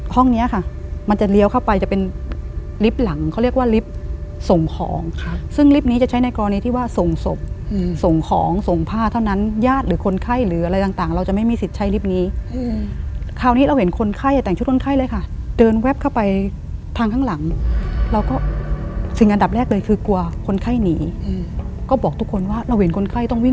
เนี้ยค่ะมันจะเลี้ยวเข้าไปจะเป็นลิฟต์หลังเขาเรียกว่าลิฟต์ส่งของซึ่งลิฟต์นี้จะใช้ในกรณีที่ว่าส่งศพส่งของส่งผ้าเท่านั้นญาติหรือคนไข้หรืออะไรต่างเราจะไม่มีสิทธิ์ใช้ลิฟต์นี้คราวนี้เราเห็นคนไข้แต่งชุดคนไข้เลยค่ะเดินแวบเข้าไปทางข้างหลังเนี่ยเราก็สิ่งอันดับแรกเลยคือกลัวคนไข้หนีก็บอกทุกคนว่าเราเห็นคนไข้ต้องวิ่ง